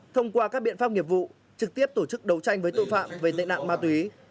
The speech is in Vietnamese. thông qua các biện pháp nghiệp vụ trực tiếp tổ chức đấu tranh với tội phạm về tệ nạn ma túy